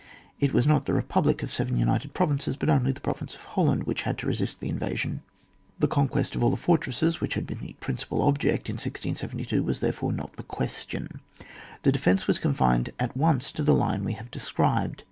It was not the Bepublic of seven united provinces, but only the province of Hol land which had to resist the invasion. The conquest of all the fortresses, which had been the principal object in 1672, was therefore not the question ; the defence was confined at once to the line we have described.